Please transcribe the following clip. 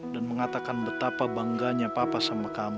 dan mengatakan betapa bangganya papa sama kamu